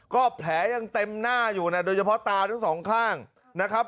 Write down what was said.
ก็แผลยังเต็มหน้าอยู่นะโดยเฉพาะตาทั้งสองข้างนะครับ